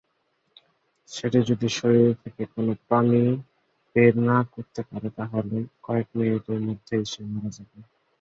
সেটি যদি শরীর থেকে কোনো প্রাণী বের না করতে পারে, তাহলে কয়েক মিনিটের মধ্যে সে মারা যাবে।